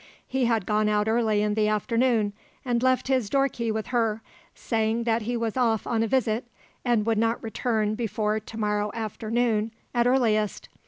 He had gone out early in the afternoon, and left his doorkey with her, saying that he was off on a visit, and would not return before to morrow afternoon at earliest.